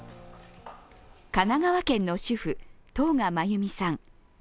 神奈川県の主婦藤賀真由美さん。